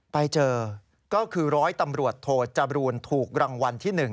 ไปเจอก็คือร้อยตำรวจโทจบรูนถูกรางวัลที่๑